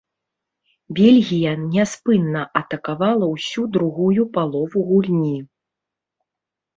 Бельгія няспынна атакавала ўсю другую палову гульні.